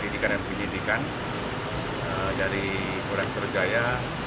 dari kegurian terjaya